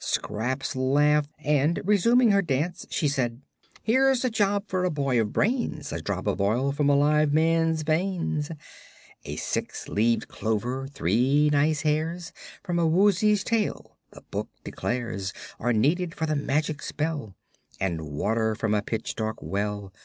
Scraps laughed, and resuming her dance she said: "Here's a job for a boy of brains: A drop of oil from a live man's veins; A six leaved clover; three nice hairs From a Woozy's tail, the book declares Are needed for the magic spell, And water from a pitch dark well.